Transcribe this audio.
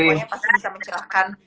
semoga ini pasti bisa mencerahkan